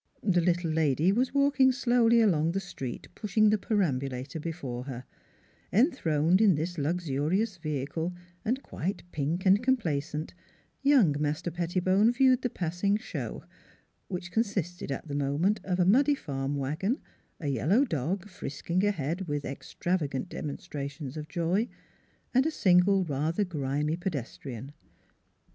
The little lady was walking slowly along the street pushing the perambulator before her; enthroned in this luxurious vehicle and quite pink and complacent, young Master Pettibone viewed the passing show, which consisted at the moment of a muddy farm wagon, a yellow dog, frisking ahead with ex travagant demonstrations of joy, and a single rather grimy pedestrian.